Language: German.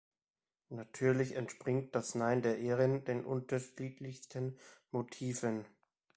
Natürlich entspringt das Nein der Iren den unterschiedlichsten Motiven.